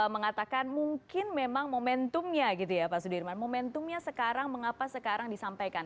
mengatakan mungkin memang momentumnya gitu ya pak sudirman momentumnya sekarang mengapa sekarang disampaikan